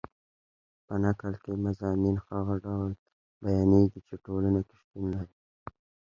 په نکل کښي مضامین هغه ډول بیانېږي، چي ټولنه کښي شتون لري.